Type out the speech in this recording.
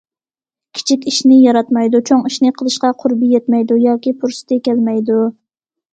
كىچىك ئىشنى ياراتمايدۇ، چوڭ ئىشنى قىلىشقا قۇربى يەتمەيدۇ، ياكى پۇرسىتى كەلمەيدۇ.